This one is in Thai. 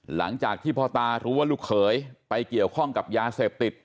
หลังจากที่พ่อตารู้ว่าลูกเขยไปเกี่ยวข้องกับยาเสพติด